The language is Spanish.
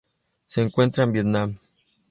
Se encuentra en Vietnam.